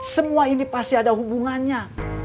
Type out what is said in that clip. semua ini pasti ada hubungannya